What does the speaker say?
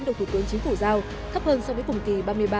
đồng thủ tướng chính phủ giao thấp hơn so với cùng kỳ ba mươi ba tám mươi năm